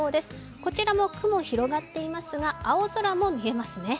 こちらも雲広がっていますが青空も見えますね。